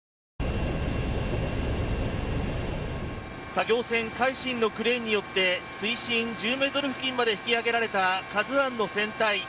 作業船「海進」のクレーンによって水深１０ｍ付近まで引き揚げられた「ＫＡＺＵ１」の船体。